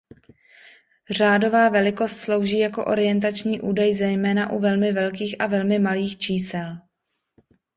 Řádová velikost slouží jako orientační údaj zejména u velmi velkých a velmi malých čísel.